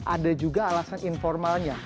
ada juga alasan informalnya